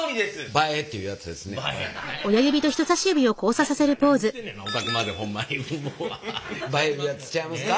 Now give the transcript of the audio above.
映えいうやつちゃいますか。